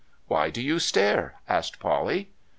'Why do you stare?' asked Polly.